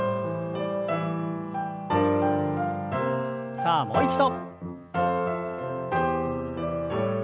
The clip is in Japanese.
さあもう一度。